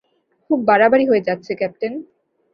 খুব বাড়াবাড়ি হয়ে যাচ্ছে, ক্যাপ্টেন!